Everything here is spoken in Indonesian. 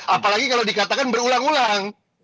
apalagi kalau dikatakan berulang ulang